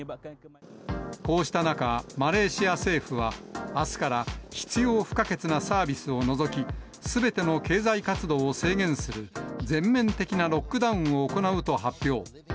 こうした中、マレーシア政府は、あすから、必要不可欠なサービスを除き、すべての経済活動を制限する全面的なロックダウンを行うと発表。